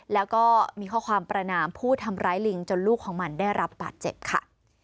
แล้วก็มีข้อความประนามผู้ทำร้ายลิงจนลูกของมันได้รับบาดเจ็บค่ะ